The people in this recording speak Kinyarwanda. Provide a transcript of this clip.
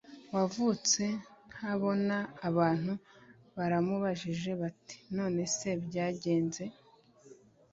wavutse ntabona abantu baramubajije bati none se byagenze